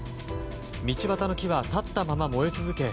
道端の木は立ったまま燃え続け